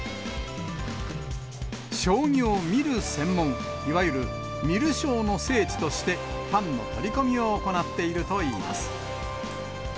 将棋を観る専門、いわゆる観る将の聖地として、ファンの取り込みを行っているといいます。